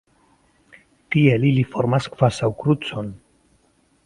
Tiel ili formas kvazaŭ krucon.